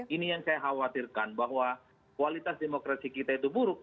ini yang saya khawatirkan bahwa kualitas demokrasi kita itu buruk